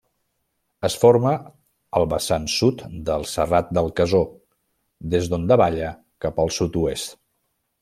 Es forma al vessant sud del Serrat del Casó, des d'on davalla cap al sud-oest.